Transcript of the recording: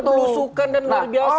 belusukan dan luar biasa